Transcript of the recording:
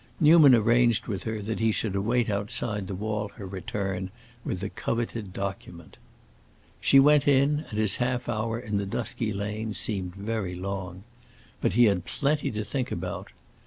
Newman arranged with her that he should await outside the wall her return with the coveted document. She went in, and his half hour in the dusky lane seemed very long. But he had plenty to think about.